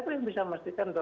begini di dalam hukum itu